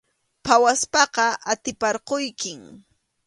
Phawaspaqa atiparquykim.